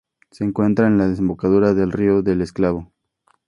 Se encuentra en la desembocadura del río del Esclavo.